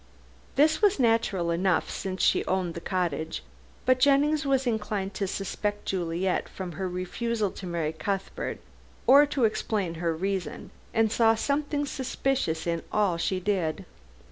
This was natural enough, since she owned the cottage, but Jennings was inclined to suspect Juliet from her refusal to marry Cuthbert or to explain her reason, and saw something suspicious in all she did.